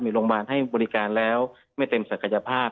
มีโรงพยาบาลให้บริการแล้วไม่เต็มศักยภาพ